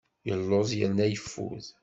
Yelluẓ yerna yeffud.